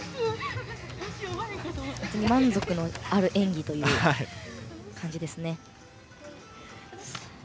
満足のある演技という感じですね。